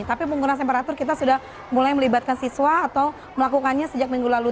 tapi penggunaan temperatur kita sudah mulai melibatkan siswa atau melakukannya sejak minggu lalu